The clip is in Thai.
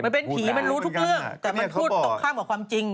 มันเป็นผีมันรู้ทุกเรื่องแต่มันพูดตรงข้ามกับความจริง